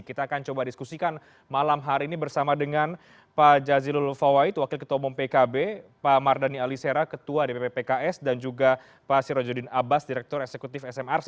kita akan coba diskusikan malam hari ini bersama dengan pak jazilul fawait wakil ketua umum pkb pak mardhani alisera ketua dpp pks dan juga pak sirojudin abbas direktur eksekutif smrc